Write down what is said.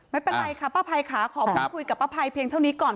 ไม่เป็นไรค่ะป้าภัยค่ะขอพูดคุยกับป้าภัยเพียงเท่านี้ก่อน